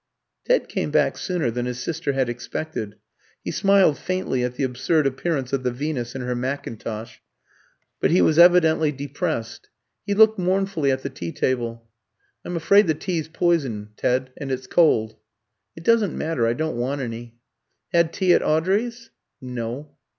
Ted came back sooner than his sister had expected. He smiled faintly at the absurd appearance of the Venus in her mackintosh, but he was evidently depressed. He looked mournfully at the tea table. "I'm afraid the tea's poison, Ted, and it's cold." "It doesn't matter, I don't want any." "Had tea at Audrey's?" "No."